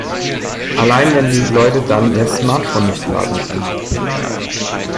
Allein, wenn die Leute dann ihr Smartphone nicht laden können.